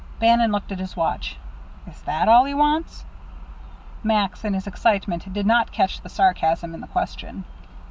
Bannon looked at his watch. "Is that all he wants?" Max, in his excitement, did not catch the sarcasm in the question.